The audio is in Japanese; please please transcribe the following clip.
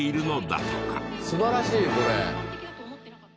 素晴らしいこれ。